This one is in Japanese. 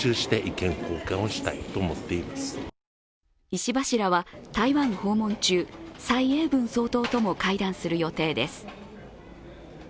石破氏らは台湾訪問中蔡英文総統とも会談する予定です。